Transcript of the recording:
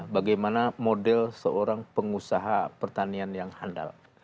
bagaimana model seorang pengusaha pertanian yang handal